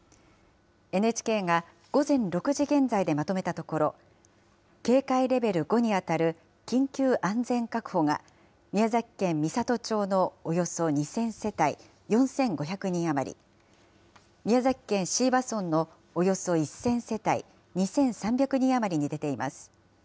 ＮＨＫが午前６時現在でまとめたところ、警戒レベル５に当たる緊急安全確保が、宮崎県美郷町のおよそ２０００世帯４５００人余り、宮崎県椎葉村のおよそ１０００世帯２３００人余りに出ています。